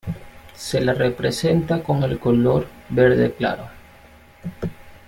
Se la representa con el color verde claro.